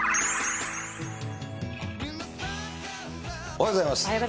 おはようございます。